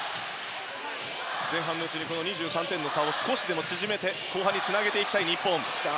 前半のうちに２３点の差を少しでも縮めて後半につなげていきたい日本。